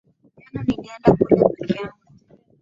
Jana nilienda kule peke yangu